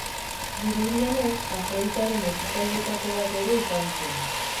Dirudienez, Afroditaren hezitzaileetako bat ere izan zen.